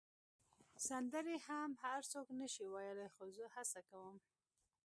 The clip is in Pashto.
سندرې هم هر څوک نه شي ویلای، خو زه هڅه کوم.